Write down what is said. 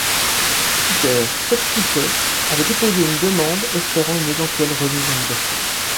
Peter Sutcliffe avait déposé une demande, espérant une éventuelle remise en liberté.